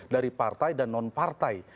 dari partai dan non partai